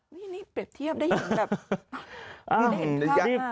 นี่เปรียบเทียบได้ยินแบบ